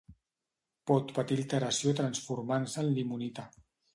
Pot patir alteració transformant-se en limonita.